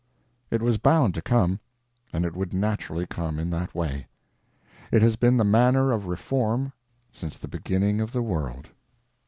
It was bound to come, and it would naturally come in that way. It has been the manner of reform since the beginning of the world.